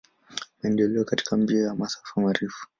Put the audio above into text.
Maendeleo katika mbio ya masafa marefu.